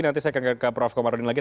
nanti saya akan ke prof komarudin lagi